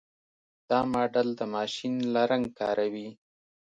دا ماډل د ماشین لرنګ کاروي.